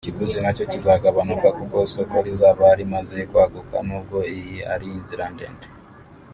ikiguzi na cyo kizagabanuka kuko isoko rizaba rimaze kwaguka nubwo iyi ari inzira ndende